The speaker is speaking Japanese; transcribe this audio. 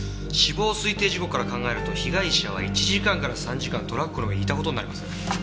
死亡推定時刻から考えると被害者は１時間から３時間トラックの上にいた事になります。